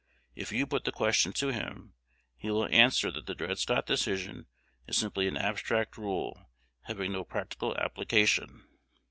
If you put the question to him, he will answer that the Dred Scott Decision is simply an abstract rule, having no practical application."